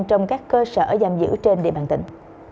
trong các cơ sở giam giữ trên địa bàn tỉnh